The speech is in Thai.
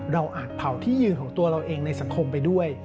อาจเผาที่ยืนของตัวเราเองในสังคมไปด้วย